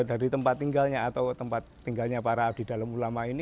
dari tempat tinggalnya atau tempat tinggalnya para abdi dalam ulama ini